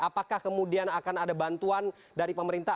apakah kemudian akan ada bantuan dari pemerintah